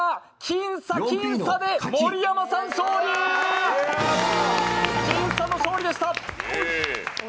僅差の勝利でした！